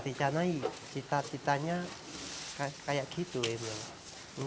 iya cita citanya kayak gitu emang